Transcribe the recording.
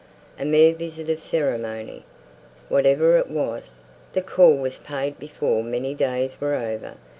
A "mere visit of ceremony!" Whatever it was, the call was paid before many days were over.